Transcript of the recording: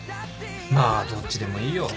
まあどっちでもいいよ。